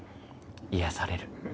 癒やされる。